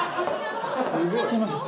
すみません。